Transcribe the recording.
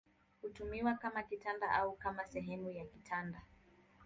Hutumiwa kama kitanda au kama sehemu ya kitanda.